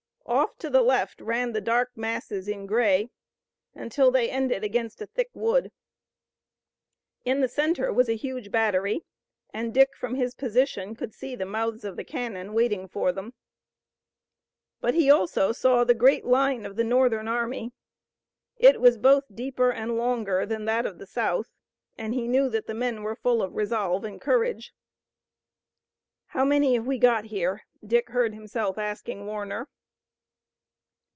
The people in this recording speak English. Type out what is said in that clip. Off to the left ran the dark masses in gray, until they ended against a thick wood. In the center was a huge battery, and Dick from his position could see the mouths of the cannon waiting for them. But he also saw the great line of the Northern Army. It was both deeper and longer than that of the South, and he knew that the men were full of resolve and courage. "How many have we got here?" Dick heard himself asking Warner.